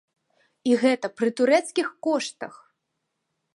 І гэта пры турэцкіх коштах!